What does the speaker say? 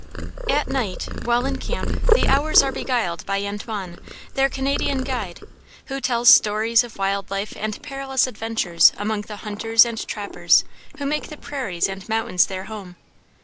At night, while in camp, the hours are beguiled by Antoine, their Canadian guide, who tells stories of wild life and perilous adventures among the hunters and trappers who make the prairies and mountains their home.